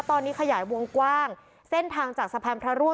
ตอนนี้ขยายวงกว้างเส้นทางจากสะพานพระร่วง